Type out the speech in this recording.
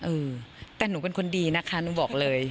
เออแต่หนูเป็นคนดีนะคะหนูบอกเลย